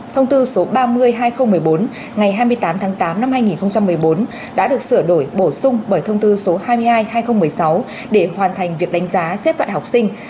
thông tư số ba mươi hai nghìn một mươi bốn ngày hai mươi tám tháng tám năm hai nghìn một mươi bốn đã được sửa đổi bổ sung bởi thông tư số hai mươi hai hai nghìn một mươi sáu để hoàn thành việc đánh giá xếp loại học sinh